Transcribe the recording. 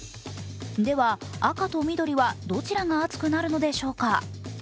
では、赤と緑は、どちらが暑くなるのでしょうか。